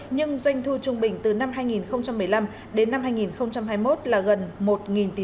nhưng doanh thu trung bình từ năm hai nghìn một mươi năm đến năm hai nghìn một mươi bảy